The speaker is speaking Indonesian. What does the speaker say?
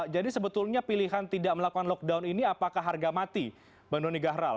jadi sebetulnya pilihan tidak melakukan lockdown ini apakah harga mati bang doni gahral